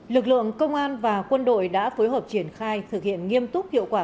lực lượng công an và quân đội đã phối hợp triển khai thực hiện nghiêm túc hiệu quả